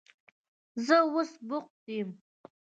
زه اوس بوخت یم.